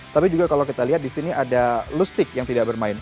tapi juga kalau kita lihat disini ada lustig yang tidak bermain